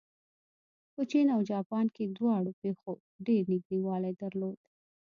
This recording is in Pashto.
په چین او جاپان کې دواړو پېښو ډېر نږدېوالی درلود.